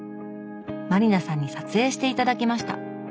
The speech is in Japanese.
満里奈さんに撮影して頂きました。